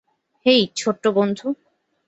হেই, ছোট্ট বন্ধু।